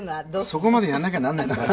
そこまでやらなきゃならないのかな？